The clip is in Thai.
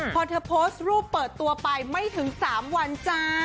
พอเธอโพสต์รูปเปิดตัวไปไม่ถึง๓วันจ้า